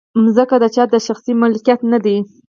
مځکه د چا د شخصي ملکیت نه ده.